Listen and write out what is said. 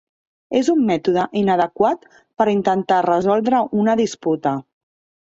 És un mètode inadequat per intentar resoldre una disputa.